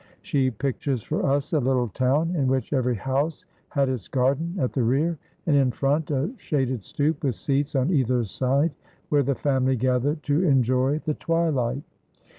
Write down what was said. She pictures for us a little town in which every house had its garden at the rear and in front a shaded stoop with seats on either side where the family gathered to enjoy the twilight.